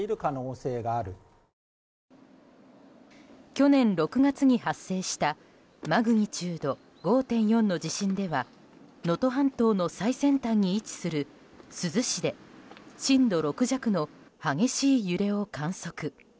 去年６月に発生したマグニチュード５．４の地震では能登半島の最先端に位置する珠洲市で震度６弱の激しい揺れを観測。